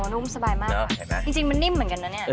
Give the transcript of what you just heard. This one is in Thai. โอ้โฮนุ่มสบายมากเลยนะจริงมันนิ่มเหมือนกันนะนี่เออแสดงมาก